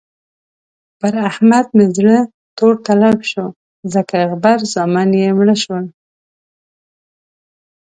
پر احمد مې زړه تور تلب شو ځکه غبر زامن يې مړه شول.